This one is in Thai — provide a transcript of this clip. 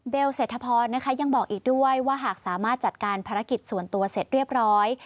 เศรษฐพรนะคะยังบอกอีกด้วยว่าหากสามารถจัดการภารกิจส่วนตัวเสร็จเรียบร้อย